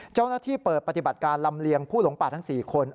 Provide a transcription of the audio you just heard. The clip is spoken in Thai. เจ้าหน้าที่เปิดปฏิบัติการลำเลียงผู้หลงป่าทั้ง๔คน